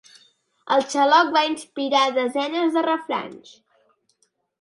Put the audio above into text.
El xaloc va inspirar desenes de refranys.